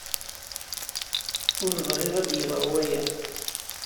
Ur bɣiɣ ad yeḍṛu waya.